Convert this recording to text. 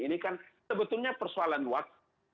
ini kan sebetulnya persoalan waktu